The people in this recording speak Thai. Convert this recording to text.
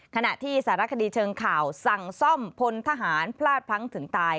ขณะที่สารคดีเชิงข่าวสั่งซ่อมพลทหารพลาดพลั้งถึงตาย